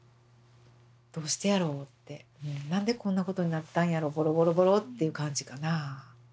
何でこんなことになったんやろボロボロボロっていう感じかな。